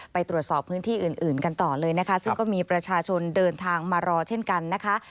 ไปตรวจสอบพื้นที่อื่นอื่นกันต่อเลยนะคะซึ่งก็มีประชาชนเดินทางมารอเช่นกันนะคะ